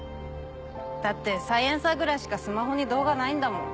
だって『サイエンサー』ぐらいしかスマホに動画ないんだもん。